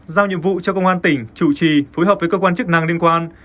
giao nhiệm vụ cho công an tỉnh chủ trì phối hợp với cơ quan chức năng liên quan